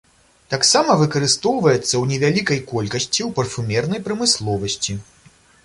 Таксама выкарыстоўваецца ў невялікай колькасці ў парфумернай прамысловасці.